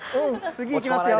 次いきますよ。